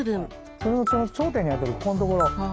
それの頂点に当たるここんところ。